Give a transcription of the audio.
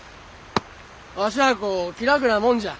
わしゃあこ気楽なもんじゃ。